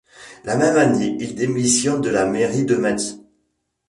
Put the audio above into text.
La même année, il démissionne de la mairie de Metz.